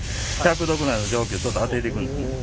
１００度ぐらいの蒸気でちょっとあてていくんですね。